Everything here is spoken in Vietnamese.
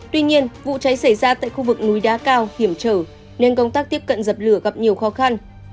tuy nhiên vụ cháy xảy ra tại khu vực núi đá cao hiểm trở nên công tác tiếp cận dập lửa gặp nhiều khó khăn